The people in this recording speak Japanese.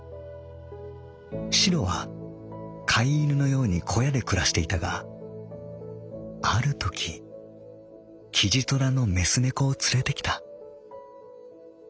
しろは飼い犬のように小屋で暮らしていたがあるときキジトラの雌猫を連れてきた。